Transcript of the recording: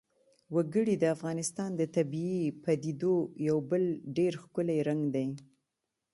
وګړي د افغانستان د طبیعي پدیدو یو بل ډېر ښکلی رنګ دی.